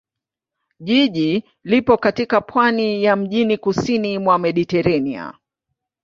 Jiji lipo katika pwani ya mjini kusini mwa Mediteranea.